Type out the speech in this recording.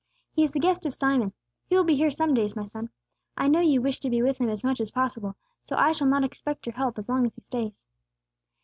"He is the guest of Simon. He will be here some days, my son. I know you wish to be with Him as much as possible, so I shall not expect your help as long as He stays."